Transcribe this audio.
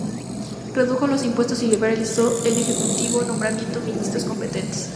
Redujo los impuestos y liberalizó el ejecutivo, nombrando ministros competentes.